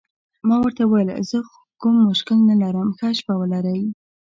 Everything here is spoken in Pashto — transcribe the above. ما ورته وویل: زه خو کوم مشکل نه لرم، ښه شپه ولرئ.